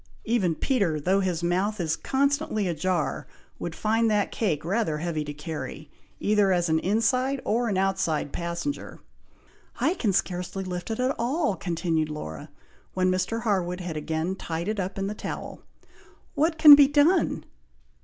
"Even Peter, though his mouth is constantly ajar, would find that cake rather heavy to carry, either as an inside or an outside passenger." "I can scarcely lift it at all!" continued Laura, when Mr. Harwood had again tied it up in the towel; "what can be done?"